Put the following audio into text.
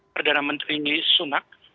perdana menteri sunak